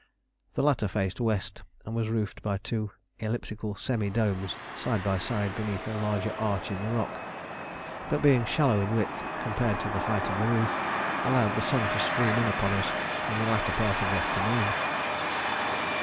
The latter faced west, and was roofed by two elliptical semi domes side by side beneath a larger arch in the rock, but being shallow in width compared to the height of the roof, allowed the sun to stream in upon us in the latter part of the afternoon.